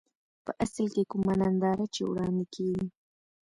په اصل کې کومه ننداره چې وړاندې کېږي.